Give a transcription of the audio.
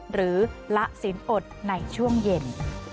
หรือละศีลอดในช่วงเย็น